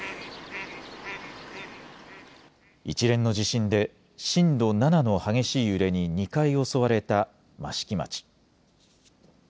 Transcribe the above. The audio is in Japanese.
一連の地震で震度７の激しい揺れに２回襲われた益城町。